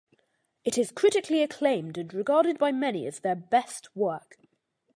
It is critically acclaimed and regarded by many as their best work.